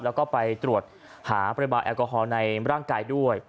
แล้วก็ไปตรวจหาปริมาณแอลกอฮอลในร่างกายด้วย